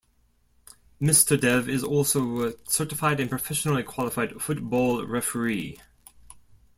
Mr. Dev is also a certified and professionally qualified Football Referee.